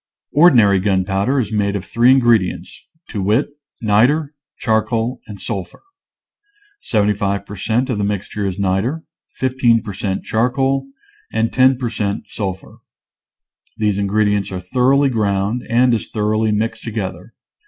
Ordinary gunpowder is made of three in gredients, to wit: niter, charcoal, and sul phur. Seventy five per cent, of the mixture is niter, 15 per cent, charcoal, and 10 per cent, sulphur. These ingredients are thoroughly ground and as thoroughly mixed together.